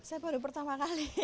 saya baru pertama kali